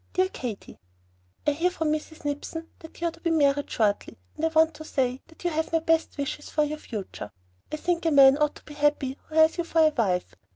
DEAR KATY, I hear from Mrs. Nipson that you are to be married shortly, and I want to say that you have my best wishes for your future. I think a man ought to be happy who has you for a wife.